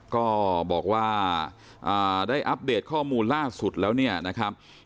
ก็บอกว่าได้อัปเดตข้อมูลล่าสุดแล้วเนี่ยนะครับ